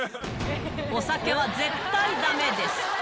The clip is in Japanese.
お酒は絶対だめです。